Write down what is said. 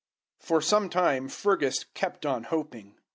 For some time Fergus kept on hoping.